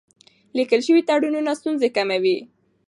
لیکل شوي تړونونه ستونزې کموي.